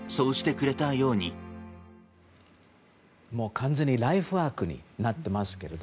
完全にライフワークになってますけど。